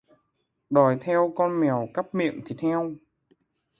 Đòi theo con mèo cắp miệng thịt heo